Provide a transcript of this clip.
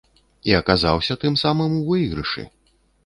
І аказаўся, тым самым, у выйгрышы.